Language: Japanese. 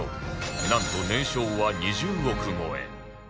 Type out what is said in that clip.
なんと年商は２０億超え